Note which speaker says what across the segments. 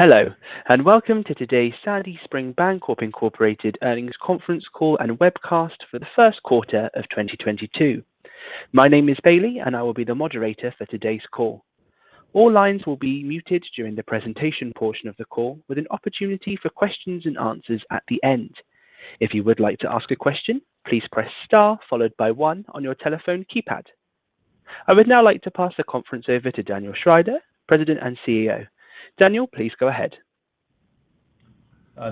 Speaker 1: Hello, and welcome to today's Sandy Spring Bancorp, Inc. Earnings Conference Call and Webcast for the first quarter of 2022. My name is Bailey, and I will be the moderator for today's call. All lines will be muted during the presentation portion of the call with an opportunity for questions and answers at the end. If you would like to ask a question, please press star followed by one on your telephone keypad. I would now like to pass the conference over to Dan Schrider, President and CEO. Dan, please go ahead.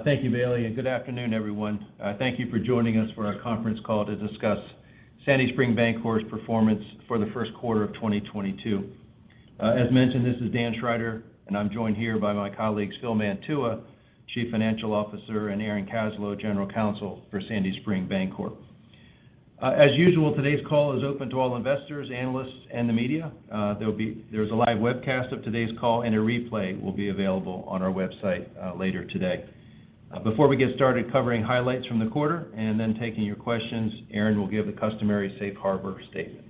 Speaker 2: Thank you Bailey and good afternoon everyone. Thank you for joining us for our conference call to discuss Sandy Spring Bancorp's performance for the first quarter of 2022. As mentioned, this is Dan Schrider, and I'm joined here by my colleagues, Phil Mantua, Chief Financial Officer, and Aaron Kaslow, General Counsel for Sandy Spring Bancorp. As usual, today's call is open to all investors, analysts, and the media. There's a live webcast of today's call and a replay will be available on our website later today. Before we get started covering highlights from the quarter and then taking your questions, Aaron will give the customary safe harbor statement.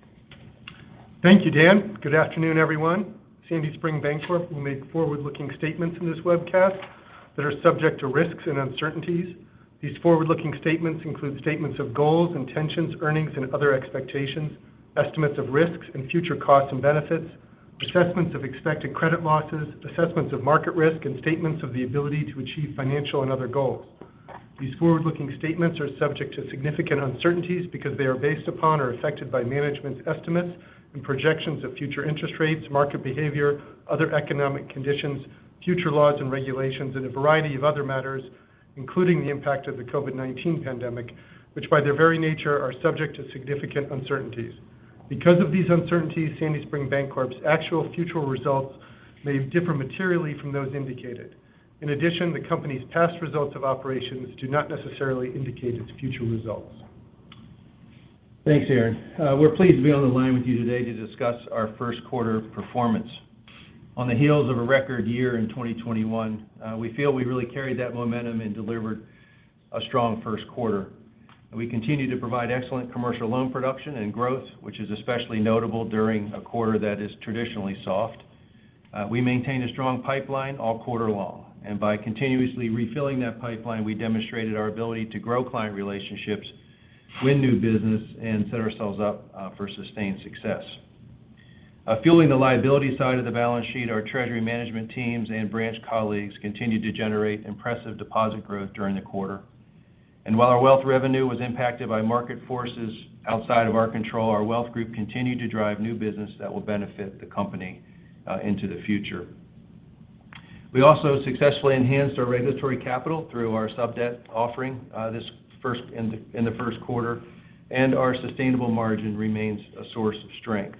Speaker 3: Thank you, Dan. Good afternoon everyone. Sandy Spring Bancorp will make forward-looking statements in this webcast that are subject to risks and uncertainties. These forward-looking statements include statements of goals, intentions, earnings, and other expectations, estimates of risks and future costs and benefits, assessments of expected credit losses, assessments of market risk, and statements of the ability to achieve financial and other goals. These forward-looking statements are subject to significant uncertainties because they are based upon or affected by management's estimates and projections of future interest rates, market behavior, other economic conditions, future laws and regulations, and a variety of other matters, including the impact of the COVID-19 pandemic, which by their very nature are subject to significant uncertainties. Because of these uncertainties, Sandy Spring Bancorp's actual future results may differ materially from those indicated. In addition, the company's past results of operations do not necessarily indicate its future results.
Speaker 2: Thanks, Aaron. We're pleased to be on the line with you today to discuss our first quarter performance. On the heels of a record year in 2021, we feel we really carried that momentum and delivered a strong first quarter. We continue to provide excellent commercial loan production and growth, which is especially notable during a quarter that is traditionally soft. We maintain a strong pipeline all quarter long, and by continuously refilling that pipeline, we demonstrated our ability to grow client relationships, win new business, and set ourselves up, for sustained success. Fueling the liability side of the balance sheet, our treasury management teams and branch colleagues continued to generate impressive deposit growth during the quarter. While our wealth revenue was impacted by market forces outside of our control, our wealth group continued to drive new business that will benefit the company into the future. We also successfully enhanced our regulatory capital through our sub-debt offering in the first quarter, and our sustainable margin remains a source of strength.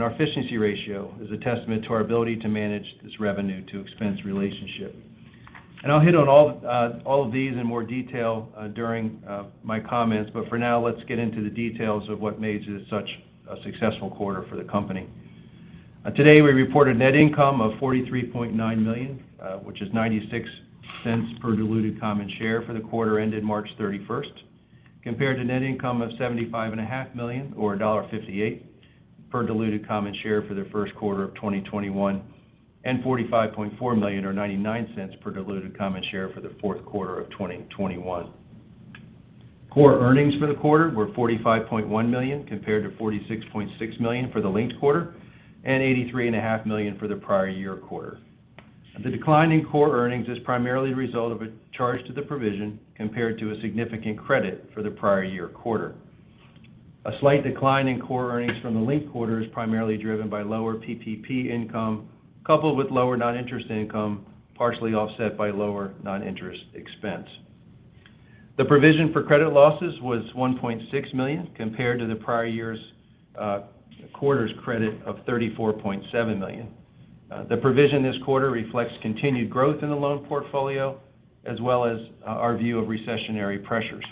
Speaker 2: Our efficiency ratio is a testament to our ability to manage this revenue to expense relationship. I'll hit on all of these in more detail during my comments, but for now, let's get into the details of what made this such a successful quarter for the company. Today, we reported net income of $43.9 million, which is $0.96 per diluted common share for the quarter ended March 31st, compared to net income of $75.5 million or $1.58 per diluted common share for the first quarter of 2021 and $45.4 million or $0.99 per diluted common share for the fourth quarter of 2021. Core earnings for the quarter were $45.1 million compared to $46.6 million for the linked quarter and $83.5 million for the prior year quarter. The decline in core earnings is primarily the result of a charge to the provision compared to a significant credit for the prior year quarter. A slight decline in core earnings from the linked quarter is primarily driven by lower PPP income coupled with lower non-interest income, partially offset by lower non-interest expense. The provision for credit losses was $1.6 million compared to the prior year's quarter's credit of $34.7 million. The provision this quarter reflects continued growth in the loan portfolio as well as our view of recessionary pressures.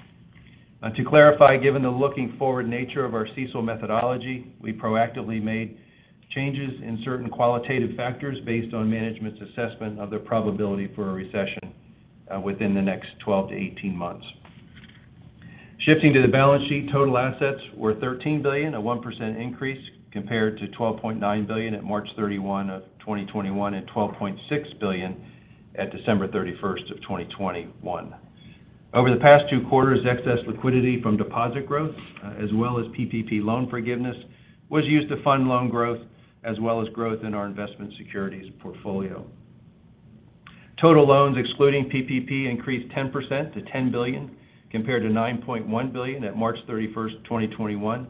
Speaker 2: To clarify, given the forward-looking nature of our CECL methodology, we proactively made changes in certain qualitative factors based on management's assessment of the probability for a recession within the next 12-18 months. Shifting to the balance sheet, total assets were $13 billion, a 1% increase compared to $12.9 billion at March 31, 2021 and $12.6 billion at December 31st, 2021. Over the past two quarters, excess liquidity from deposit growth, as well as PPP loan forgiveness was used to fund loan growth as well as growth in our investment securities portfolio. Total loans excluding PPP increased 10% to $10 billion compared to $9.1 billion at March 31st, 2021.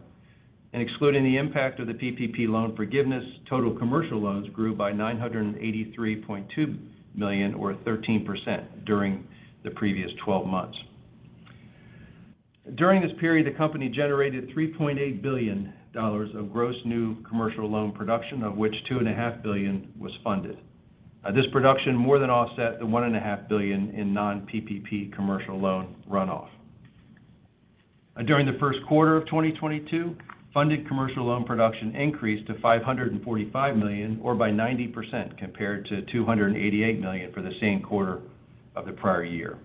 Speaker 2: Excluding the impact of the PPP loan forgiveness, total commercial loans grew by $983.2 million or 13% during the previous 12 months. During this period, the company generated $3.8 billion of gross new commercial loan production of which $2.5 billion was funded. This production more than offset the $1.5 billion in non-PPP commercial loan runoff. During the first quarter of 2022, funded commercial loan production increased to $545 million or by 90% compared to $288 million for the same quarter of the prior year.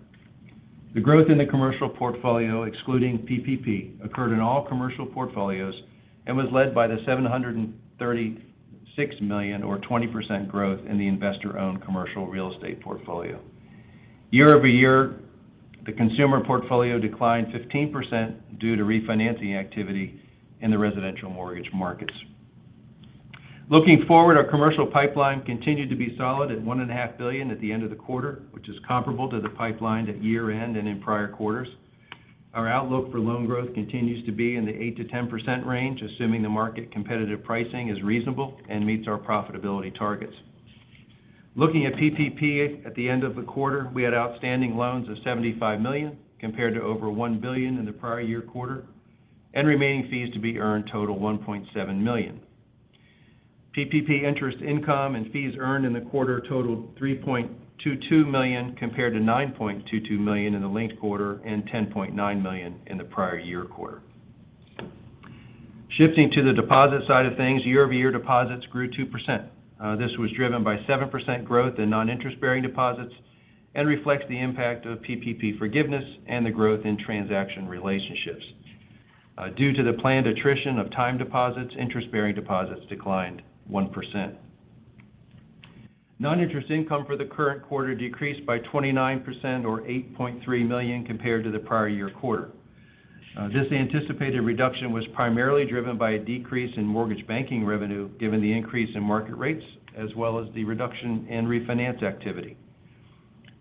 Speaker 2: The growth in the commercial portfolio, excluding PPP, occurred in all commercial portfolios and was led by the $736 million or 20% growth in the investor-owned commercial real estate portfolio. Year-over-year, the consumer portfolio declined 15% due to refinancing activity in the residential mortgage markets. Looking forward, our commercial pipeline continued to be solid at $1.5 billion at the end of the quarter, which is comparable to the pipeline at year-end and in prior quarters. Our outlook for loan growth continues to be in the 8%-10% range, assuming the market competitive pricing is reasonable and meets our profitability targets. Looking at PPP at the end of the quarter, we had outstanding loans of $75 million, compared to over $1 billion in the prior year quarter, and remaining fees to be earned total $1.7 million. PPP interest income and fees earned in the quarter totaled $3.22 million compared to $9.22 million in the linked quarter and $10.9 million in the prior year quarter. Shifting to the deposit side of things, year-over-year deposits grew 2%. This was driven by 7% growth in non-interest-bearing deposits and reflects the impact of PPP forgiveness and the growth in transaction relationships. Due to the planned attrition of time deposits, interest-bearing deposits declined 1%. Non-interest income for the current quarter decreased by 29% or $8.3 million compared to the prior year quarter. This anticipated reduction was primarily driven by a decrease in mortgage banking revenue given the increase in market rates as well as the reduction in refinance activity.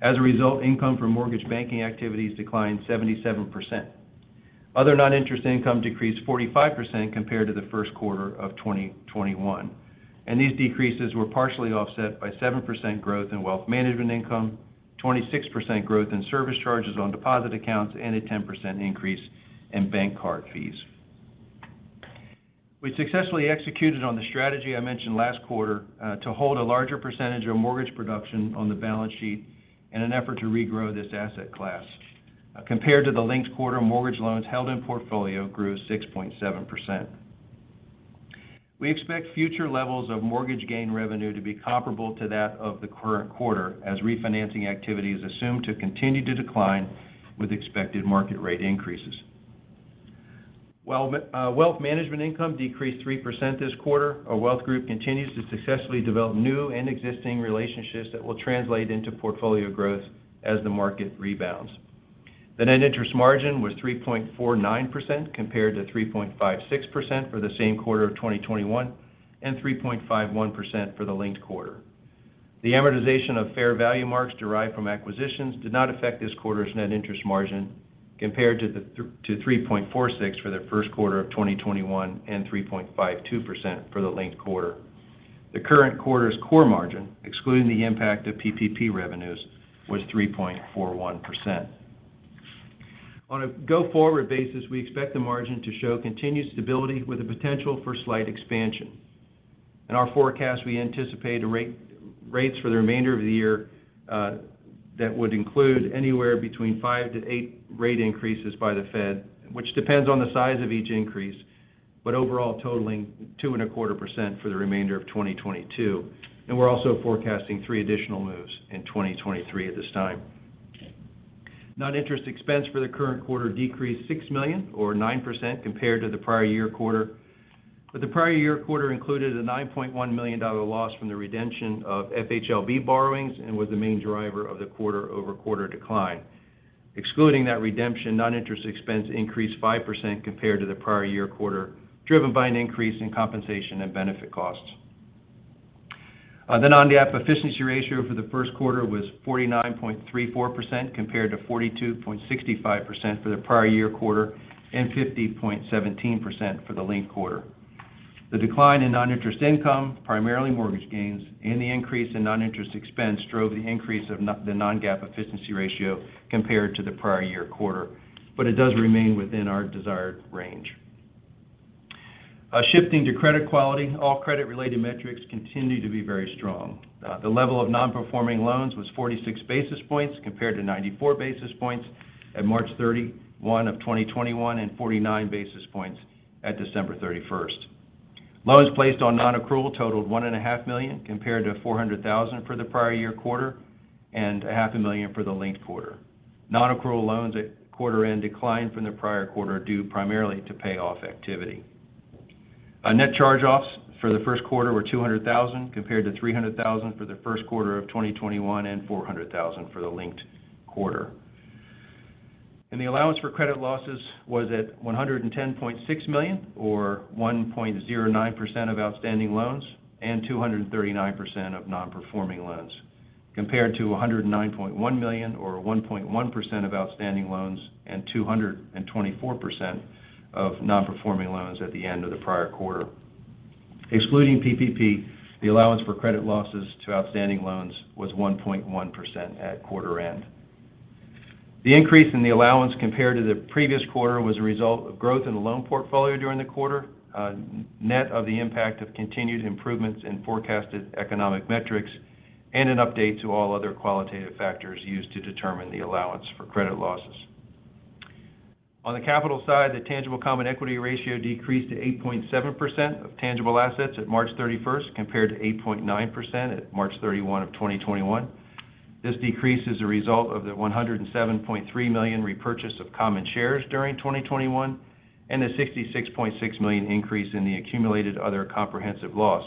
Speaker 2: As a result, income from mortgage banking activities declined 77%. Other non-interest income decreased 45% compared to the first quarter of 2021, and these decreases were partially offset by 7% growth in wealth management income, 26% growth in service charges on deposit accounts, and a 10% increase in bank card fees. We successfully executed on the strategy I mentioned last quarter, to hold a larger percentage of mortgage production on the balance sheet in an effort to regrow this asset class. Compared to the linked quarter, mortgage loans held in portfolio grew 6.7%. We expect future levels of mortgage gain revenue to be comparable to that of the current quarter as refinancing activities are assumed to continue to decline with expected market rate increases. While wealth management income decreased 3% this quarter, our wealth group continues to successfully develop new and existing relationships that will translate into portfolio growth as the market rebounds. The net interest margin was 3.49% compared to 3.56% for the same quarter of 2021 and 3.51% for the linked quarter. The amortization of fair value marks derived from acquisitions did not affect this quarter's net interest margin compared to 3.46% for the first quarter of 2021 and 3.52% for the linked quarter. The current quarter's core margin, excluding the impact of PPP revenues, was 3.41%. On a go-forward basis, we expect the margin to show continued stability with the potential for slight expansion. In our forecast, we anticipate rates for the remainder of the year that would include anywhere between five to eight rate increases by the Fed, which depends on the size of each increase, but overall totaling 2.25% for the remainder of 2022. We're also forecasting three additional moves in 2023 at this time. Non-interest expense for the current quarter decreased $6 million or 9% compared to the prior year quarter, but the prior year quarter included a $9.1 million loss from the redemption of FHLB borrowings and was the main driver of the quarter-over-quarter decline. Excluding that redemption, non-interest expense increased 5% compared to the prior year quarter, driven by an increase in compensation and benefit costs. The non-GAAP efficiency ratio for the first quarter was 49.34% compared to 42.65% for the prior year quarter and 50.17% for the linked quarter. The decline in non-interest income, primarily mortgage gains, and the increase in non-interest expense drove the increase of the non-GAAP efficiency ratio compared to the prior year quarter, but it does remain within our desired range. Shifting to credit quality, all credit-related metrics continue to be very strong. The level of non-performing loans was 46 basis points compared to 94 basis points at March 31, 2021 and 49 basis points at December 31st. Loans placed on non-accrual totaled $1.5 million compared to $400,000 for the prior year quarter and $0.5 million for the linked quarter. Non-accrual loans at quarter end declined from the prior quarter due primarily to payoff activity. Net charge-offs for the first quarter were $200,000 compared to $300,000 for the first quarter of 2021 and $400,000 for the linked quarter. The allowance for credit losses was at $110.6 million, or 1.09% of outstanding loans and 239% of non-performing loans, compared to $109.1 million or 1.1% of outstanding loans and 224% of non-performing loans at the end of the prior quarter. Excluding PPP, the allowance for credit losses to outstanding loans was 1.1% at quarter end. The increase in the allowance compared to the previous quarter was a result of growth in the loan portfolio during the quarter, net of the impact of continued improvements in forecasted economic metrics and an update to all other qualitative factors used to determine the allowance for credit losses. On the capital side, the tangible common equity ratio decreased to 8.7% of tangible assets at March 31st, compared to 8.9% at March 31, 2021. This decrease is a result of the $107.3 million repurchase of common shares during 2021 and the $66.6 million increase in the accumulated other comprehensive loss,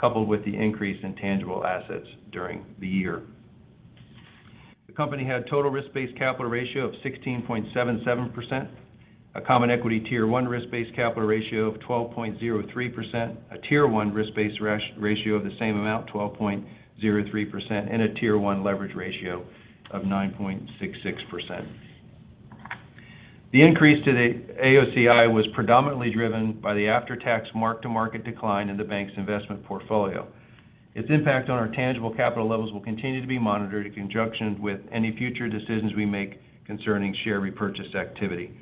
Speaker 2: coupled with the increase in tangible assets during the year. The company had total risk-based capital ratio of 16.77%, a Common Equity Tier 1 risk-based capital ratio of 12.03%, a Tier 1 risk-based ratio of the same amount, 12.03%, and a Tier 1 leverage ratio of 9.66%. The increase to the AOCI was predominantly driven by the after-tax mark-to-market decline in the bank's investment portfolio. Its impact on our tangible capital levels will continue to be monitored in conjunction with any future decisions we make concerning share repurchase activity.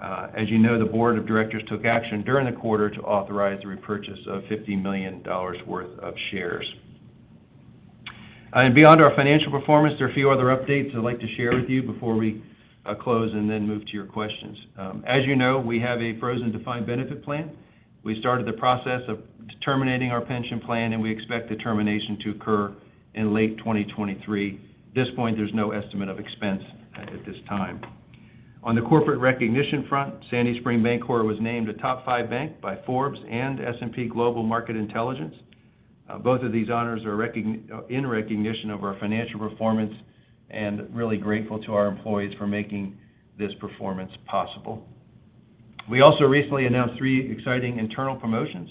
Speaker 2: As you know, the board of directors took action during the quarter to authorize the repurchase of $50 million worth of shares. Beyond our financial performance, there are a few other updates I'd like to share with you before we close and then move to your questions. As you know, we have a frozen defined benefit plan. We started the process of terminating our pension plan, and we expect the termination to occur in late 2023. At this point, there's no estimate of expense at this time. On the corporate recognition front, Sandy Spring Bancorp was named a top five bank by Forbes and S&P Global Market Intelligence. Both of these honors are in recognition of our financial performance and really grateful to our employees for making this performance possible. We also recently announced three exciting internal promotions.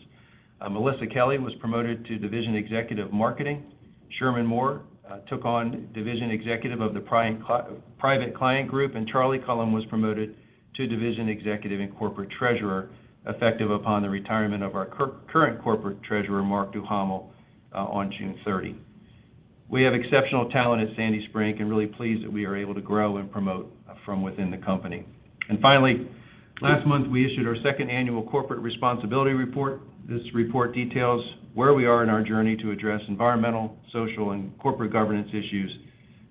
Speaker 2: Melissa Kelly was promoted to Division Executive Marketing. Sherman Moore took on Division Executive of the Private Client Group, and Charlie Cullum was promoted to Division Executive and Corporate Treasurer, effective upon the retirement of our current Corporate Treasurer, Mark DuHamel on June 30. We have exceptional talent at Sandy Spring and really pleased that we are able to grow and promote from within the company. Finally, last month, we issued our second annual corporate responsibility report. This report details where we are in our journey to address environmental, social, and corporate governance issues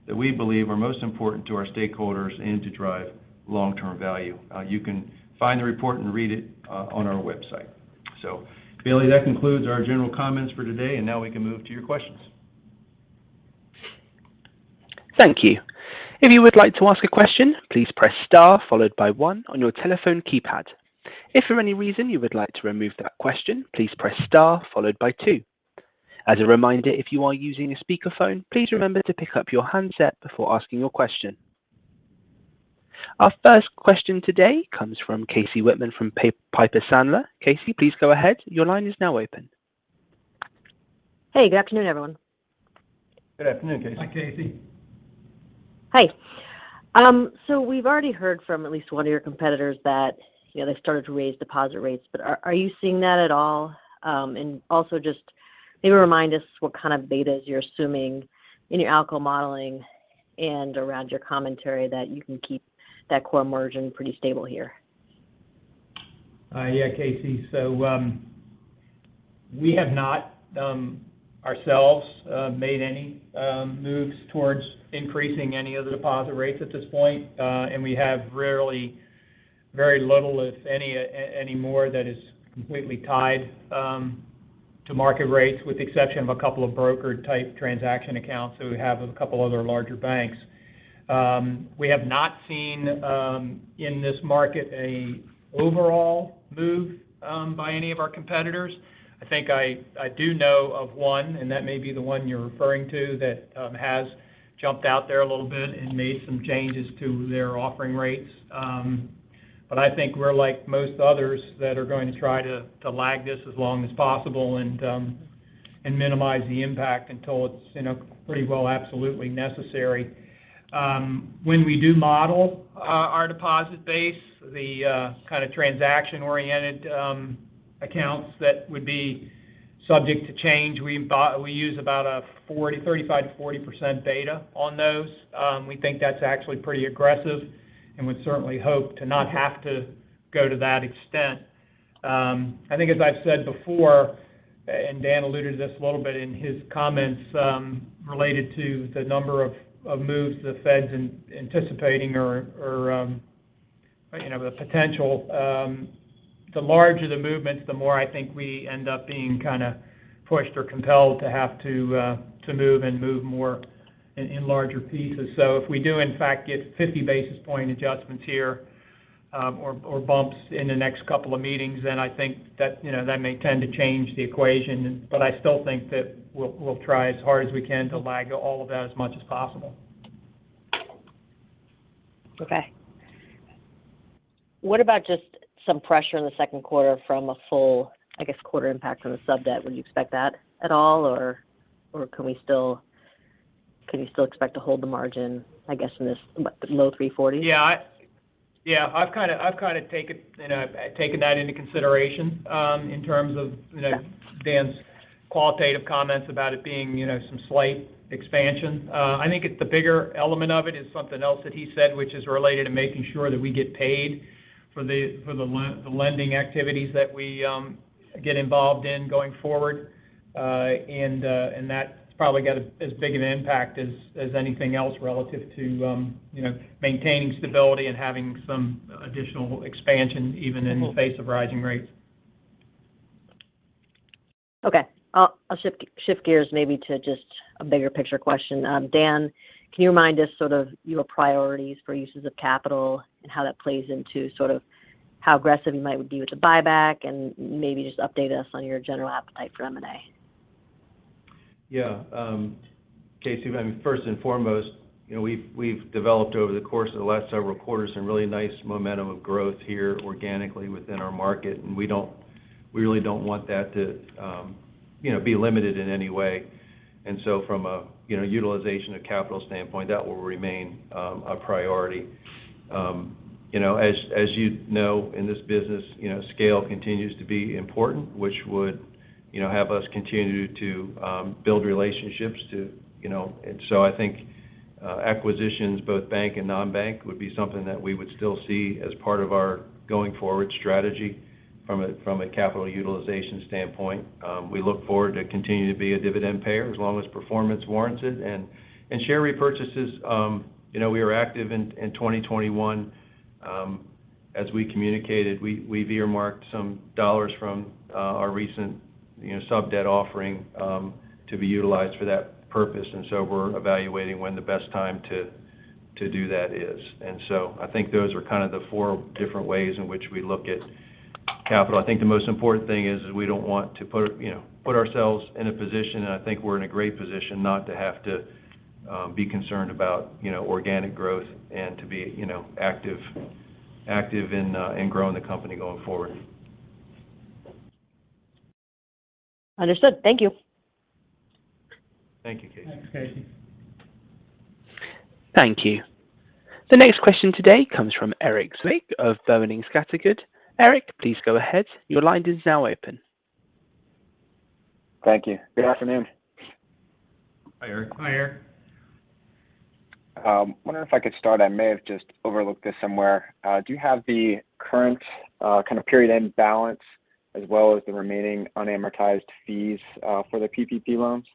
Speaker 2: that we believe are most important to our stakeholders and to drive long-term value. You can find the report and read it on our website. Bailey, that concludes our general comments for today, and now we can move to your questions.
Speaker 1: Thank you. If you would like to ask a question, please press star followed by one on your telephone keypad. If for any reason you would like to remove that question, please press star followed by two. As a reminder, if you are using a speakerphone, please remember to pick up your handset before asking your question. Our first question today comes from Casey Whitman from Piper Sandler. Casey, please go ahead. Your line is now open.
Speaker 4: Hey, good afternoon, everyone.
Speaker 2: Good afternoon, Casey.
Speaker 5: Hi, Casey.
Speaker 4: Hi. We've already heard from at least one of your competitors that, you know, they started to raise deposit rates, but are you seeing that at all? Also just maybe remind us what kind of betas you're assuming in your ALCO modeling and around your commentary that you can keep that core margin pretty stable here.
Speaker 2: Yeah, Casey. We have not ourselves made any moves towards increasing any of the deposit rates at this point. We have really very little, if any more that is completely tied to market rates, with the exception of a couple of brokered-type transaction accounts that we have with a couple of other larger banks. We have not seen in this market an overall move by any of our competitors. I think I do know of one, and that may be the one you're referring to that has jumped out there a little bit and made some changes to their offering rates. I think we're like most others that are going to try to lag this as long as possible and minimize the impact until it's, you know, pretty well absolutely necessary. When we do model our deposit base, the kind of transaction-oriented accounts that would be subject to change, we use about a 35%-40% beta on those. We think that's actually pretty aggressive and would certainly hope to not have to go to that extent. I think as I've said before, and Dan alluded to this a little bit in his comments, related to the number of moves the Fed's anticipating or, you know, the potential. The larger the movements, the more I think we end up being kind of pushed or compelled to have to move and move more in larger pieces. If we do in fact get 50 basis points adjustments here, or bumps in the next couple of meetings, then I think that, you know, that may tend to change the equation. I still think that we'll try as hard as we can to lag all of that as much as possible.
Speaker 4: Okay. What about just some pressure in the second quarter from a full, I guess, quarter impact on the sub-debt? Would you expect that at all, or can you still expect to hold the margin, I guess, in this low 3.40%?
Speaker 5: Yeah, I've kind of taken that into consideration, you know, in terms of, you know.
Speaker 4: Yeah.
Speaker 5: Dan's qualitative comments about it being, you know, some slight expansion. I think it's the bigger element of it is something else that he said, which is related to making sure that we get paid for the lending activities that we get involved in going forward. That's probably got as big of an impact as anything else relative to, you know, maintaining stability and having some additional expansion even in the face of rising rates.
Speaker 4: Okay. I'll shift gears maybe to just a bigger picture question. Dan, can you remind us sort of your priorities for uses of capital and how that plays into sort of how aggressive you might be with the buyback? Maybe just update us on your general appetite for M&A.
Speaker 2: Yeah. Casey, I mean, first and foremost, you know, we've developed over the course of the last several quarters some really nice momentum of growth here organically within our market. We really don't want that to, you know, be limited in any way. From a, you know, utilization of capital standpoint, that will remain a priority. You know, as you know, in this business, you know, scale continues to be important, which would, you know, have us continue to build relationships too, you know. I think acquisitions, both bank and non-bank, would be something that we would still see as part of our going forward strategy from a capital utilization standpoint. We look forward to continue to be a dividend payer as long as performance warrants it. Share repurchases, you know, we are active in 2021. As we communicated, we've earmarked some dollars from our recent sub-debt offering to be utilized for that purpose. We're evaluating when the best time to do that is. I think those are kind of the four different ways in which we look at capital. I think the most important thing is we don't want to put ourselves in a position, and I think we're in a great position not to have to be concerned about organic growth and to be, you know, active in growing the company going forward.
Speaker 4: Understood. Thank you.
Speaker 2: Thank you, Casey.
Speaker 5: Thanks, Casey.
Speaker 1: Thank you. The next question today comes from Erik Zwick of Boenning & Scattergood. Erik, please go ahead. Your line is now open.
Speaker 6: Thank you. Good afternoon.
Speaker 2: Hi, Erik.
Speaker 5: Hi, Erik.
Speaker 6: Wondering if I could start, I may have just overlooked this somewhere. Do you have the current, kind of period-end balance as well as the remaining unamortized fees, for the PPP loans?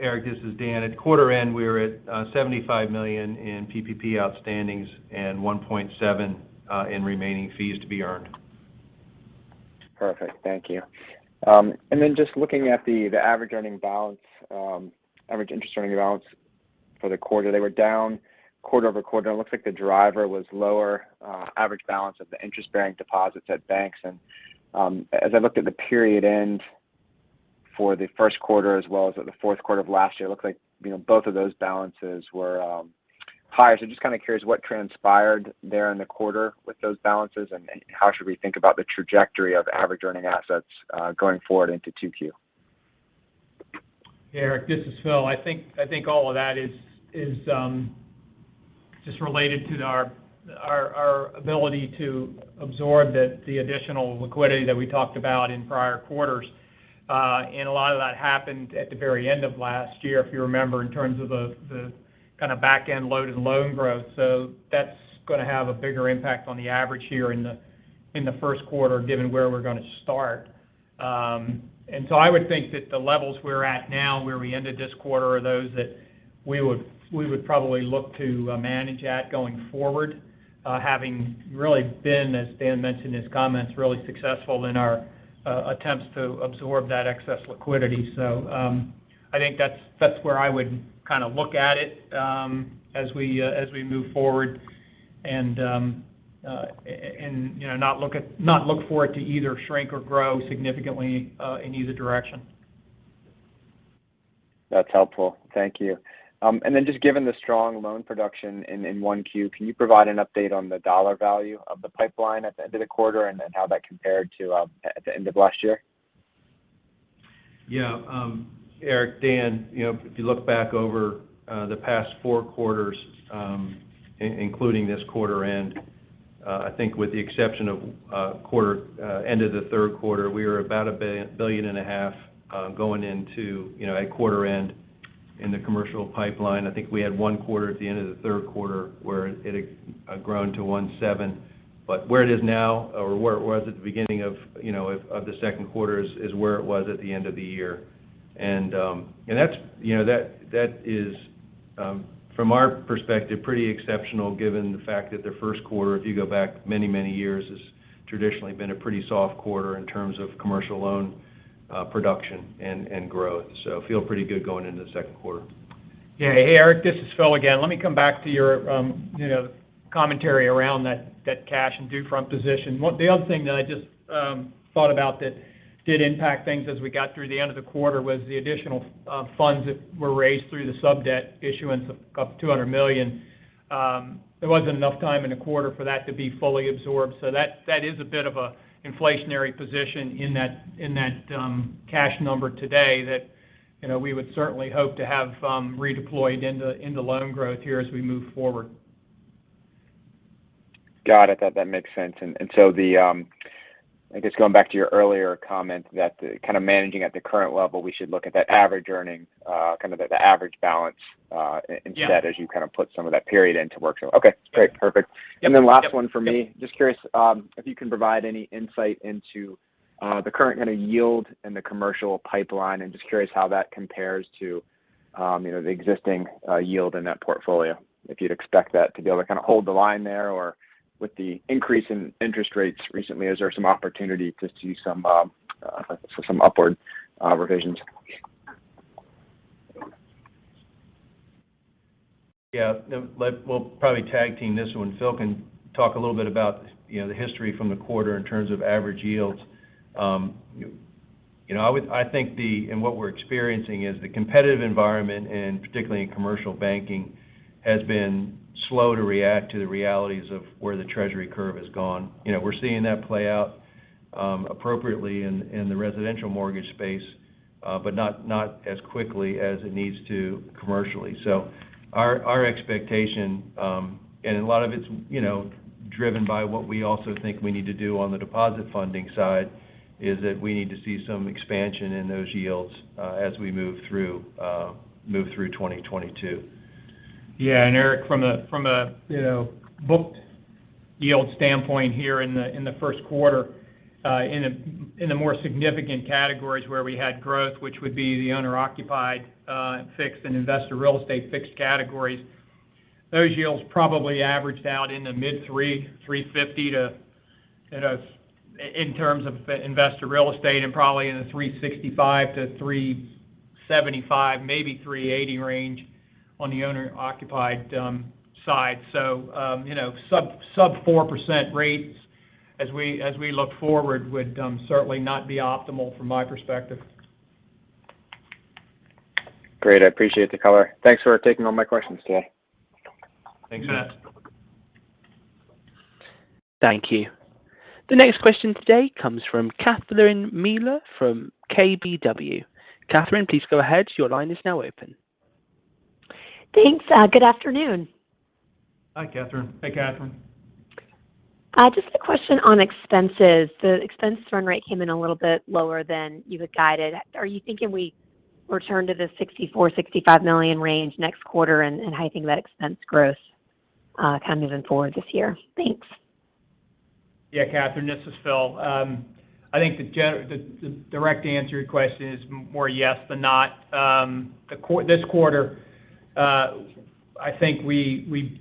Speaker 2: Eric, this is Dan. At quarter end, we were at $75 million in PPP outstandings and $1.7 million in remaining fees to be earned.
Speaker 6: Perfect. Thank you. Just looking at the average interest earning balance for the quarter, they were down quarter-over-quarter. It looks like the driver was lower average balance of the interest-bearing deposits at banks. As I looked at the period-end for the first quarter as well as the fourth quarter of last year, it looked like you know both of those balances were higher. Just kind of curious what transpired there in the quarter with those balances and how should we think about the trajectory of average earning assets going forward into 2Q?
Speaker 5: Yeah, Erik, this is Phil. I think all of that is just related to our ability to absorb the additional liquidity that we talked about in prior quarters. A lot of that happened at the very end of last year, if you remember, in terms of the kind of back-end loaded loan growth. That's gonna have a bigger impact on the average here in the first quarter, given where we're gonna start. I would think that the levels we're at now, where we ended this quarter, are those that we would probably look to manage at going forward, having really been, as Dan mentioned in his comments, really successful in our attempts to absorb that excess liquidity. I think that's where I would kind of look at it as we move forward and you know not look for it to either shrink or grow significantly in either direction.
Speaker 6: That's helpful. Thank you. Just given the strong loan production in 1Q, can you provide an update on the dollar value of the pipeline at the end of the quarter, and then how that compared to at the end of last year?
Speaker 2: Yeah. Erik, Dan, you know, if you look back over the past four quarters, including this quarter end, I think with the exception of quarter end of the third quarter, we were about $1.5 billion going into, you know, at quarter end in the commercial pipeline. I think we had one quarter at the end of the third quarter where it had grown to $1.7 billion. Where it is now or where it was at the beginning of, you know, of the second quarter is where it was at the end of the year. That's, you know, that is from our perspective pretty exceptional given the fact that the first quarter, if you go back many, many years, has traditionally been a pretty soft quarter in terms of commercial loan production and growth. Feel pretty good going into the second quarter.
Speaker 5: Yeah. Hey, Erik, this is Phil again. Let me come back to your, you know, commentary around that cash and due from position. The other thing that I just thought about that did impact things as we got through the end of the quarter was the additional funds that were raised through the sub-debt issuance of $200 million. There wasn't enough time in the quarter for that to be fully absorbed. That is a bit of a inflationary position in that cash number today that, you know, we would certainly hope to have redeployed into loan growth here as we move forward.
Speaker 6: Got it. That makes sense. I guess going back to your earlier comment that kind of managing at the current level, we should look at that average earning kind of the average balance.
Speaker 5: Yeah.
Speaker 6: Instead as you kind of put some of that period into workshop. Okay.
Speaker 5: Yeah.
Speaker 6: Great. Perfect.
Speaker 5: Yep. Yep.
Speaker 6: Last one for me.
Speaker 5: Yep.
Speaker 6: Just curious, if you can provide any insight into the current kind of yield in the commercial pipeline, and just curious how that compares to, you know, the existing yield in that portfolio, if you'd expect that to be able to kind of hold the line there, or with the increase in interest rates recently, is there some opportunity to see some upward revisions?
Speaker 2: Yeah. We'll probably tag-team this one. Phil can talk a little bit about, you know, the history from the quarter in terms of average yields. You know, and what we're experiencing is the competitive environment, and particularly in commercial banking, has been slow to react to the realities of where the Treasury curve has gone. You know, we're seeing that play out appropriately in the residential mortgage space, but not as quickly as it needs to commercially. Our expectation, and a lot of it's, you know, driven by what we also think we need to do on the deposit funding side, is that we need to see some expansion in those yields as we move through 2022.
Speaker 5: Yeah. Erik, from a you know booked yield standpoint here in the first quarter in the more significant categories where we had growth, which would be the owner-occupied fixed and investor real estate fixed categories, those yields probably averaged out in the mid 3%, 3.50% to, you know, then in terms of investor real estate and probably in the 3.65%-3.75%, maybe 3.80% range on the owner-occupied side. you know, sub 4% rates as we look forward would certainly not be optimal from my perspective.
Speaker 6: Great. I appreciate the color. Thanks for taking all my questions today.
Speaker 2: Thanks, Matt.
Speaker 1: Thank you. The next question today comes from Catherine Mealor from KBW. Catherine, please go ahead. Your line is now open.
Speaker 7: Thanks. Good afternoon.
Speaker 2: Hi, Catherine.
Speaker 5: Hey, Catherine.
Speaker 7: Just a question on expenses. The expense run rate came in a little bit lower than you had guided. Are you thinking we return to the $64-$65 million range next quarter in hiking that expense growth, kind of moving forward this year? Thanks.
Speaker 5: Yeah, Catherine, this is Phil. I think the direct answer to your question is more yes than not. This quarter, I think we,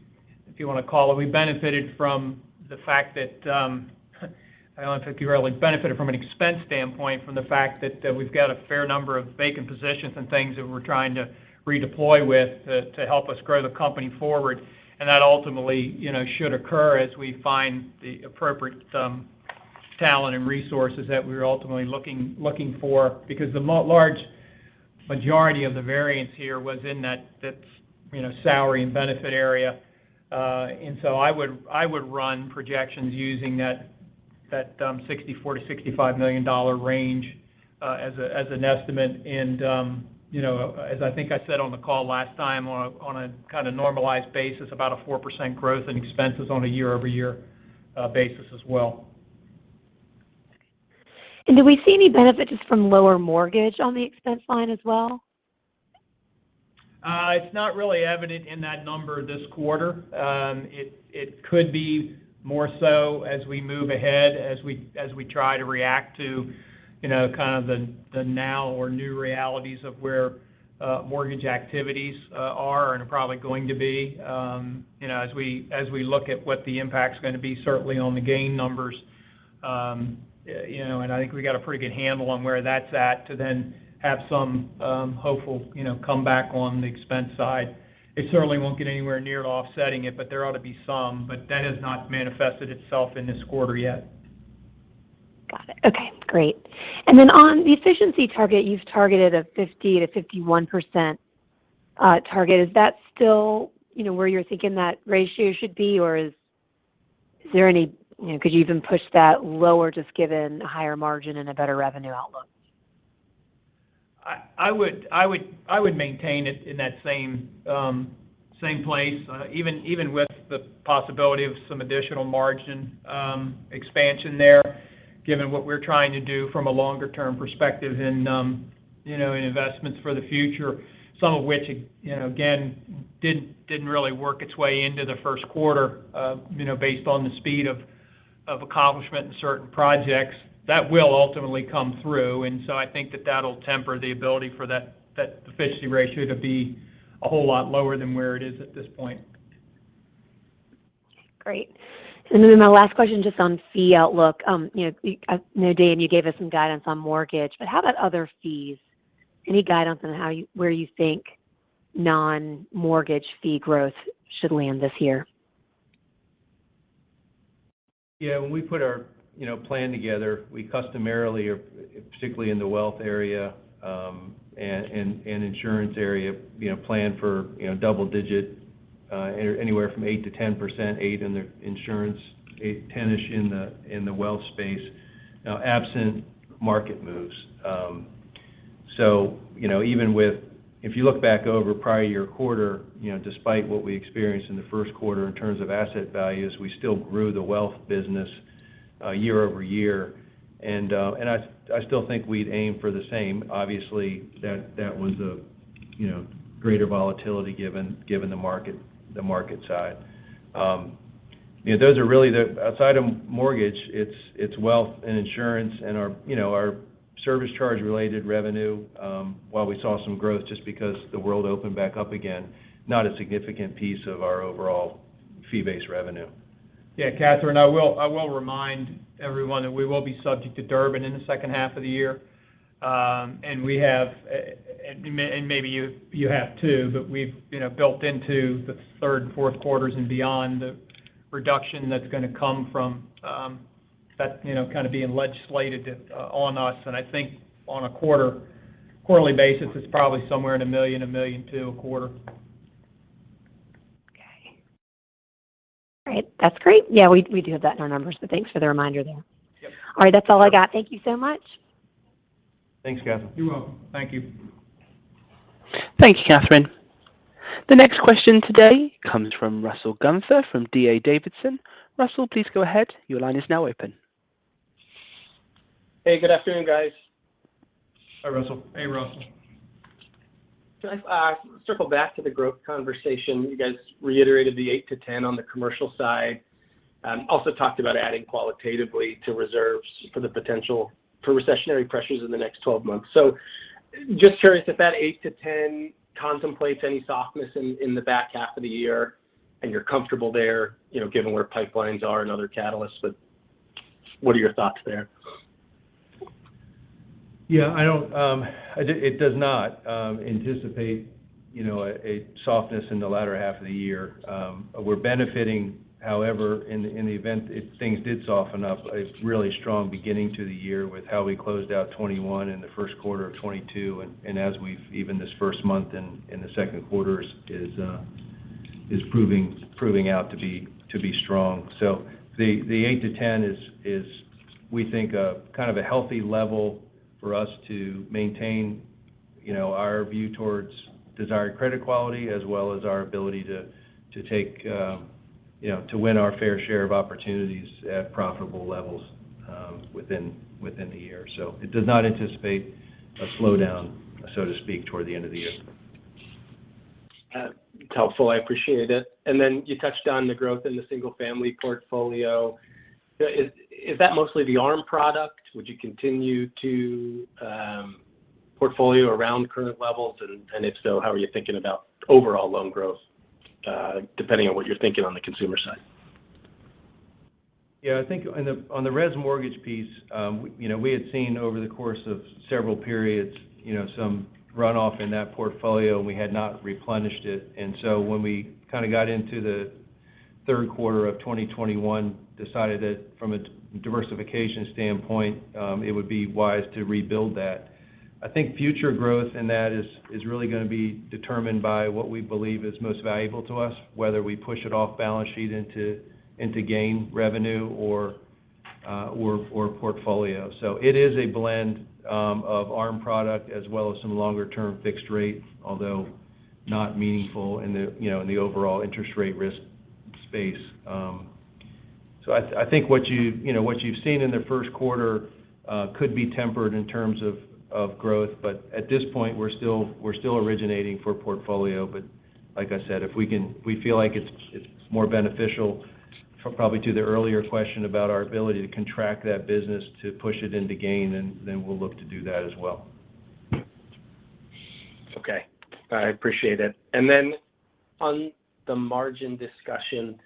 Speaker 5: if you want to call it, we benefited from the fact that, I don't know if benefited from an expense standpoint from the fact that we've got a fair number of vacant positions and things that we're trying to redeploy with to help us grow the company forward. That ultimately, you know, should occur as we find the appropriate talent and resources that we're ultimately looking for, because the large majority of the variance here was in that you know salary and benefit area. I would run projections using that $64 million-$65 million range as an estimate. You know, as I think I said on the call last time, on a kind of normalized basis, about 4% growth in expenses on a year-over-year basis as well.
Speaker 7: Do we see any benefit just from lower mortgage on the expense line as well?
Speaker 5: It's not really evident in that number this quarter. It could be more so as we move ahead, as we try to react to, you know, kind of the now or new realities of where mortgage activities are and are probably going to be. You know, as we look at what the impact's gonna be certainly on the gain numbers, you know, and I think we got a pretty good handle on where that's at to then have some hopeful, you know, comeback on the expense side. It certainly won't get anywhere near offsetting it, but there ought to be some. That has not manifested itself in this quarter yet.
Speaker 7: Got it. Okay, great. On the efficiency target, you've targeted a 50%-51% target. Is that still, you know, where you're thinking that ratio should be? Or is there any you know, could you even push that lower just given higher margin and a better revenue outlook?
Speaker 5: I would maintain it in that same place, even with the possibility of some additional margin expansion there, given what we're trying to do from a longer term perspective in, you know, in investments for the future, some of which, you know, again, didn't really work its way into the first quarter, you know, based on the speed of accomplishment in certain projects. That will ultimately come through. I think that that'll temper the ability for that efficiency ratio to be a whole lot lower than where it is at this point.
Speaker 7: Great. My last question just on fee outlook. You know, I know, Dan, you gave us some guidance on mortgage, but how about other fees? Any guidance on where you think non-mortgage fee growth should land this year?
Speaker 2: Yeah. When we put our, you know, plan together, we customarily are, particularly in the wealth area, and insurance area, you know, plan for, you know, double-digit, anywhere from 8%-10%, 8% in the insurance, 8%-10-ish% in the wealth space, absent market moves. You know, even if you look back over prior-year quarter, you know, despite what we experienced in the first quarter in terms of asset values, we still grew the wealth business, year-over-year. I still think we'd aim for the same. Obviously, that was a, you know, greater volatility given the market side. Those are really the outside of mortgage, it's wealth and insurance and our, you know, our service charge-related revenue, while we saw some growth just because the world opened back up again, not a significant piece of our overall fee-based revenue.
Speaker 5: Yeah, Catherine, I will remind everyone that we will be subject to Durbin in the H2 of the year. We have, and maybe you have too, but we've you know built into the third and fourth quarters and beyond the reduction that's gonna come from that you know kind of being legislated on us. I think on a quarterly basis, it's probably somewhere in $1 million-$1.2 million a quarter.
Speaker 7: Okay. All right. That's great. Yeah, we do have that in our numbers, but thanks for the reminder there.
Speaker 5: Yep.
Speaker 7: All right. That's all I got. Thank you so much.
Speaker 2: Thanks, Catherine.
Speaker 5: You're welcome. Thank you.
Speaker 1: Thank you, Catherine. The next question today comes from Russell Gunther from D.A. Davidson. Russell, please go ahead. Your line is now open.
Speaker 8: Hey, Good afternoon, guys.
Speaker 2: Hi, Russell.
Speaker 5: Hey, Russell.
Speaker 8: Can I circle back to the growth conversation? You guys reiterated the 8%-10% on the commercial side, also talked about adding qualitatively to reserves for the potential for recessionary pressures in the next 12 months. Just curious if that 8%-10% contemplates any softness in the back half of the year and you're comfortable there, you know, given where pipelines are and other catalysts, but what are your thoughts there?
Speaker 2: Yeah, it does not anticipate, you know, a softness in the latter half of the year. We're benefiting, however, in the event if things did soften up, a really strong beginning to the year with how we closed out 2021 and the first quarter of 2022 and as we've even this first month in the second quarter is proving out to be strong. The 8%-10% is we think a kind of a healthy level for us to maintain, you know, our view towards desired credit quality as well as our ability to take, you know, to win our fair share of opportunities at profitable levels within the year. It does not anticipate a slowdown, so to speak, toward the end of the year.
Speaker 8: It's helpful. I appreciate it. You touched on the growth in the single-family portfolio. Is that mostly the ARM product? Would you continue to portfolio around current levels? And if so, how are you thinking about overall loan growth, depending on what you're thinking on the consumer side?
Speaker 2: Yeah. I think on the res mortgage piece, you know, we had seen over the course of several periods, you know, some runoff in that portfolio, and we had not replenished it. When we kind of got into the third quarter of 2021, we decided that from a diversification standpoint, it would be wise to rebuild that. I think future growth in that is really gonna be determined by what we believe is most valuable to us, whether we push it off balance sheet into gain revenue or portfolio. It is a blend of ARM product as well as some longer-term fixed rate, although not meaningful in the, you know, overall interest rate risk space. I think what you know, what you've seen in the first quarter could be tempered in terms of growth, but at this point, we're still originating for portfolio. Like I said, we feel like it's more beneficial probably to the earlier question about our ability to contract that business to push it into gain, then we'll look to do that as well.
Speaker 8: Okay. I appreciate it. On the margin discussion,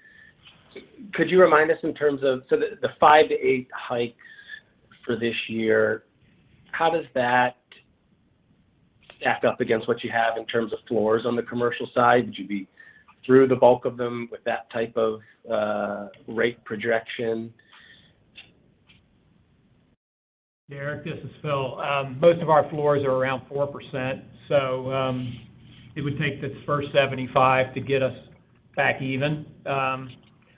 Speaker 8: could you remind us in terms of the five to eight hikes for this year, how does that stack up against what you have in terms of floors on the commercial side? Would you be through the bulk of them with that type of rate projection?
Speaker 5: Derek, this is Phil. Most of our floors are around 4%, so it would take this first 75 to get us back even.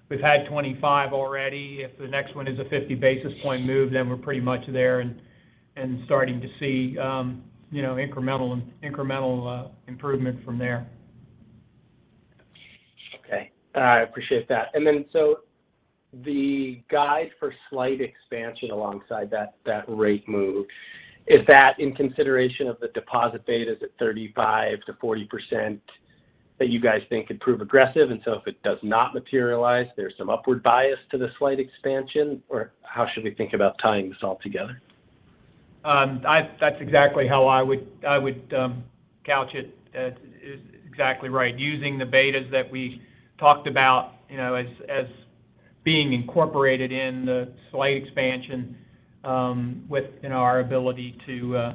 Speaker 5: We've had 25 already. If the next one is a 50 basis point move, then we're pretty much there and starting to see you know, incremental improvement from there.
Speaker 8: Okay. I appreciate that. The guide for slight expansion alongside that rate move, is that in consideration of the deposit betas at 35%-40% that you guys think could prove aggressive? If it does not materialize, there's some upward bias to the slight expansion? How should we think about tying this all together?
Speaker 5: That's exactly how I would couch it. That is exactly right. Using the betas that we talked about, you know, as being incorporated in the slight expansion, within our ability to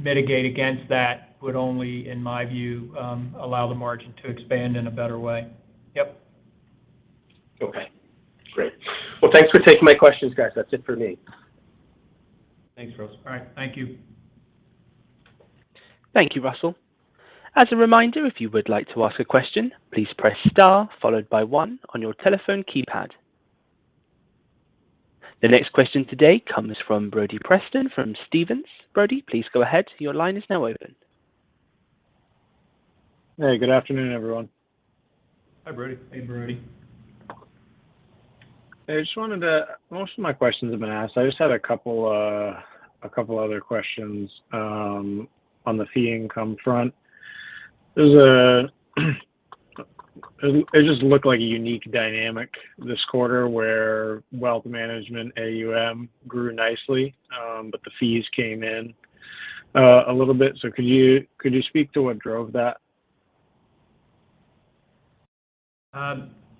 Speaker 5: mitigate against that would only, in my view, allow the margin to expand in a better way. Yep.
Speaker 8: Okay. Great. Well, thanks for taking my questions, guys. That's it for me.
Speaker 2: Thanks, Russell.
Speaker 5: All right. Thank you.
Speaker 1: Thank you, Russell. As a reminder, if you would like to ask a question, please press star followed by one on your telephone keypad. The next question today comes from Brody Preston from Stephens. Brody, please go ahead. Your line is now open.
Speaker 9: Hey, good afternoon, everyone.
Speaker 2: Hi, Brody.
Speaker 5: Hey, Brody.
Speaker 9: Most of my questions have been asked. I just had a couple other questions on the fee income front. It just looked like a unique dynamic this quarter where wealth management AUM grew nicely, but the fees came in a little bit. Could you speak to what drove that?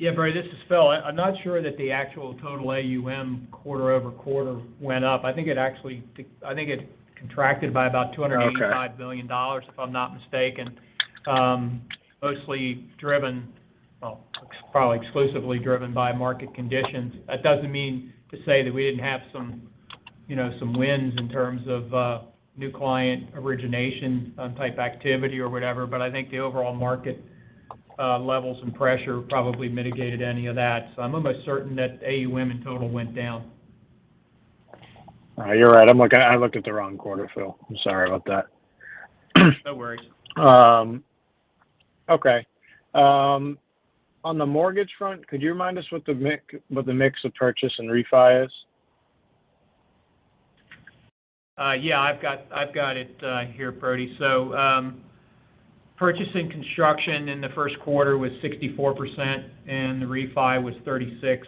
Speaker 5: Yeah, Brody, this is Phil. I'm not sure that the actual total AUM quarter-over-quarter went up. I think it contracted by about two.
Speaker 9: Oh, okay.
Speaker 5: $185 billion, if I'm not mistaken. Mostly driven, well, probably exclusively driven by market conditions. That doesn't mean to say that we didn't have some, you know, some wins in terms of new client origination type activity or whatever. But I think the overall market levels and pressure probably mitigated any of that. I'm almost certain that AUM in total went down.
Speaker 9: You're right. I looked at the wrong quarter, Phil. I'm sorry about that.
Speaker 5: No worries.
Speaker 9: Okay. On the mortgage front, could you remind us what the mix of purchase and refi is?
Speaker 5: Yeah, I've got it here, Brody. Purchase and construction in the first quarter was 64%, and the refi was 36%.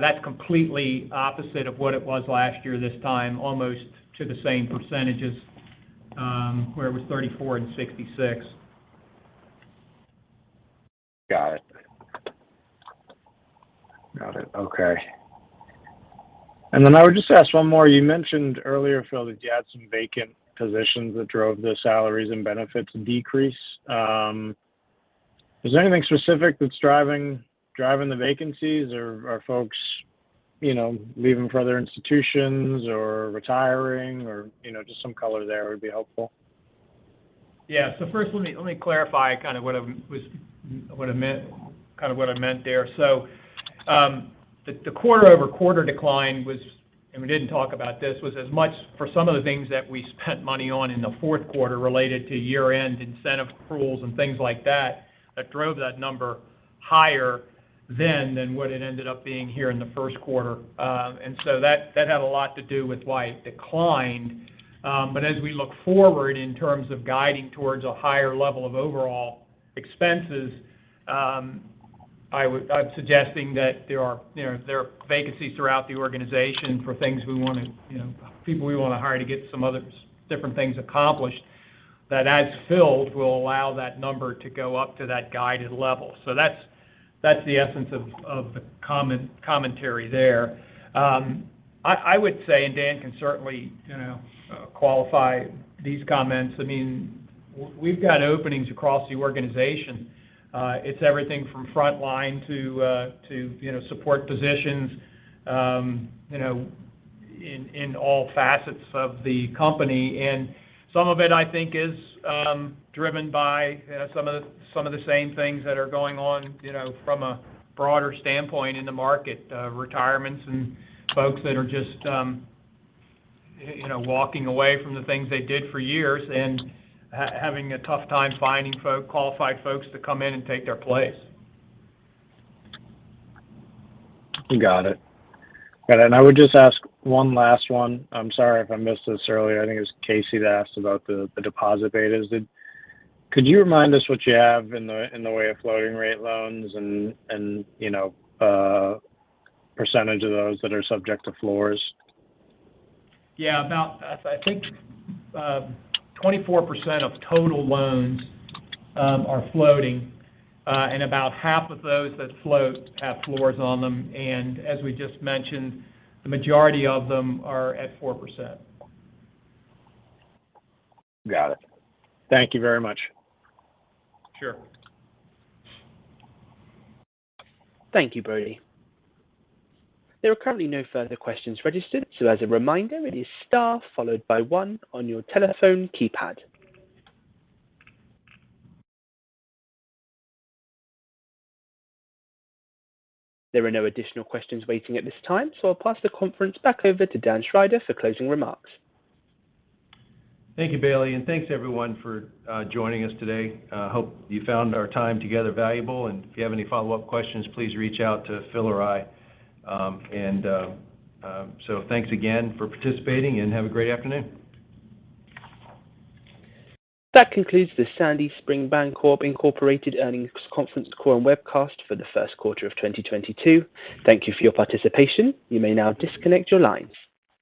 Speaker 5: That's completely opposite of what it was last year this time, almost to the same percentages, where it was 34% and 66%.
Speaker 9: Got it. Okay. I would just ask one more. You mentioned earlier, Phil, that you had some vacant positions that drove the salaries and benefits decrease. Is there anything specific that's driving the vacancies or are folks, you know, leaving for other institutions or retiring or, you know, just some color there would be helpful.
Speaker 5: Yeah. First, let me clarify kind of what I meant there. The quarter-over-quarter decline was, and we didn't talk about this, as much for some of the things that we spent money on in the fourth quarter related to year-end incentive accruals and things like that drove that number higher than what it ended up being here in the first quarter. That had a lot to do with why it declined. As we look forward in terms of guiding towards a higher level of overall expenses, I'm suggesting that there are, you know, vacancies throughout the organization for things we wanna, you know, people we wanna hire to get some different things accomplished, that as filled, will allow that number to go up to that guided level. That's the essence of the commentary there. I would say, and Dan can certainly, you know, qualify these comments. I mean, we've got openings across the organization. It's everything from front line to support positions, you know, in all facets of the company. Some of it, I think, is driven by some of the same things that are going on, you know, from a broader standpoint in the market, retirements and folks that are just you know, walking away from the things they did for years and having a tough time finding qualified folks to come in and take their place.
Speaker 9: Got it. I would just ask one last one. I'm sorry if I missed this earlier. I think it was Casey that asked about the deposit betas. Could you remind us what you have in the way of floating rate loans and you know, percentage of those that are subject to floors?
Speaker 5: Yeah. About I think 24% of total loans are floating, and about half of those that float have floors on them. As we just mentioned, the majority of them are at 4%.
Speaker 9: Got it. Thank you very much.
Speaker 5: Sure.
Speaker 1: Thank you, Brody. There are currently no further questions registered, so as a reminder, it is star followed by one on your telephone keypad. There are no additional questions waiting at this time, so I'll pass the conference back over to Dan Schrider for closing remarks.
Speaker 2: Thank you Bailey and thanks everyone for joining us today. Hope you found our time together valuable, and if you have any follow-up questions, please reach out to Phil or I. Thanks again for participating and have a great afternoon.
Speaker 1: That concludes the Sandy Spring Bancorp, Inc. Earnings Conference Call and Webcast for the first quarter of 2022. Thank you for your participation. You may now disconnect your lines.